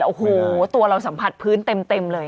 โอ้โหตัวเราสัมผัสพื้นเต็มเลย